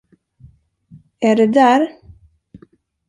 Är det där?